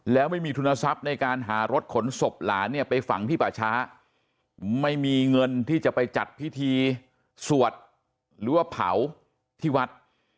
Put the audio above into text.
แล้วไม่มีทุนทรัพย์ในการหารถขนศพหลานเนี่ยไปฝังที่ป่าช้าไม่มีเงินที่จะไปจัดพิธีสวดหรือว่าเผาที่วัด